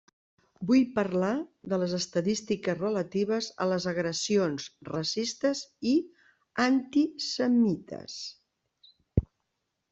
Vull parlar de les estadístiques relatives a les agressions racistes i antisemites.